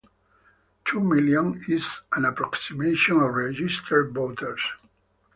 Two million is an approximation of registered voters.